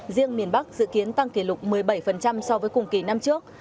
riêng miền bắc dự kiến tăng kỷ lục một mươi bảy so với cùng kỳ năm trước